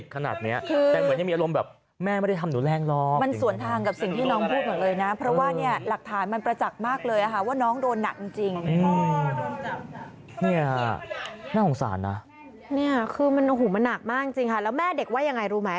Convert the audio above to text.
คือมันหนักมากจริงแล้วแม่เด็กว่าอย่างไรรู้ไหม